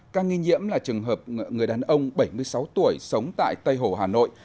ca nghi nhiễm là trường hợp người đàn ông bảy mươi sáu tuổi sống tại tây hồ hà nội